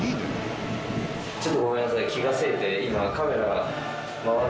ちょっとごめんなさい。